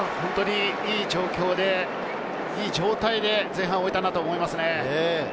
いい状況で、いい状態で前半を終えたと思います。